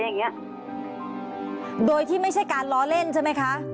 อย่างเงี้ยโดยที่ไม่ใช่การล้อเล่นใช่ไหมคะ